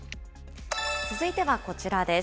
続いてはこちらです。